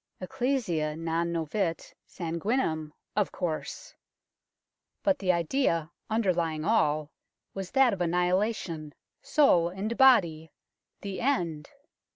Ecclesia non novit sanguinem, of course. But the idea underlying all was that of annihilation, soul and body the end